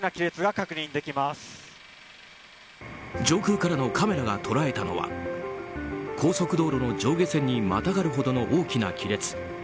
上空からのカメラが捉えたのは高速道路の上下線にまたがるほどの大きな亀裂。